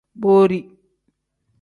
Borii.